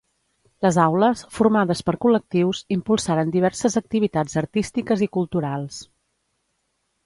Les aules, formades per col·lectius, impulsaren diverses activitats artístiques i culturals.